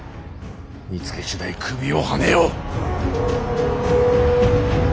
見つけ次第首をはねよ。